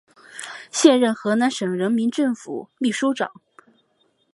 现任河南省人民政府秘书长。